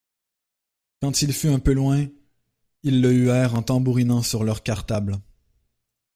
Quand il fut un peu loin, ils le huèrent en tambourinant sur leurs cartables.